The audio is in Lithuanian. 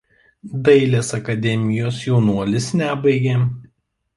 Dailės akademijos jaunuolis nebaigė.